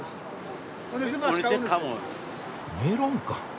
メロンか。